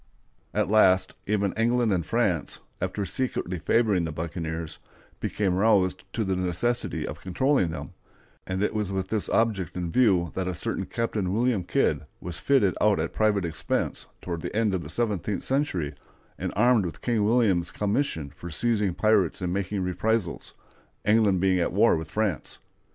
At last even England and France, after secretly favoring the buccaneers, became roused to the necessity of controlling them, and it was with this object in view that a certain Captain William Kidd was fitted out at private expense toward the end of the seventeenth century, and armed with King William's commission for seizing pirates and making reprisals, England being at war with France.